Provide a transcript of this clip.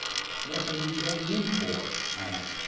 "What are you going in for?" I asked.